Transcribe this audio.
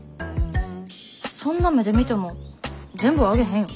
そんな目で見ても全部はあげへんよ。